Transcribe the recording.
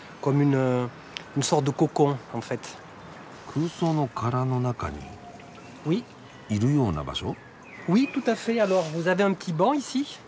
空想の殻の中にいるような場所？